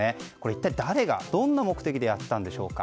一体誰がどんな目的でやったんでしょうか。